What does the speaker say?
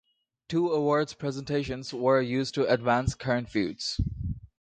Two awards presentations were used to advance current feuds.